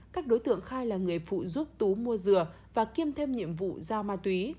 các đối tượng khai là người phụ giúp tú mua dừa và kiêm thêm nhiệm vụ giao ma túy